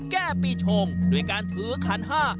แก้ปีชงด้วยการถือขันห้า